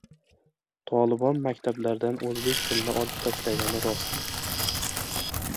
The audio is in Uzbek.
"Tolibon" maktablardan o‘zbek tilini olib tashlagani rostmi?